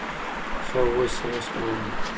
ښه اوس یې اوسپموه.